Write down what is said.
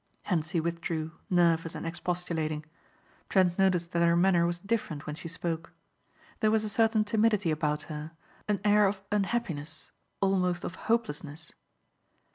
Hentzi withdrew nervous and expostulating. Trent noticed that her manner was different when she spoke. There was a certain timidity about her, an air of unhappiness almost of hopelessness.